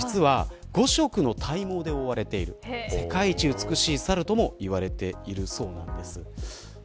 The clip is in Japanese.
毛の色が実は５色の体毛で覆われている世界一美しい猿ともいわれているそうなんです。